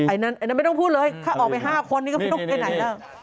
อันนั้นไม่ต้องพูดเลยถ้าออกไป๕คนนี้ก็ไม่ต้องไปไหนแล้ว